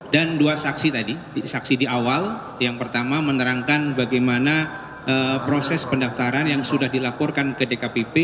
dan dua saksi tadi saksi di awal yang pertama menerangkan bagaimana proses pendaftaran yang sudah dilaporkan ke dkpp